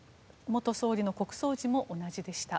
元総理の国葬時も同じでした。